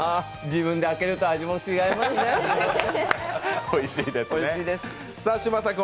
自分で開けると、味も違いますね、おいしいです。